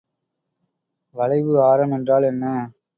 வளைவு ஆரம் என்றால் என்ன?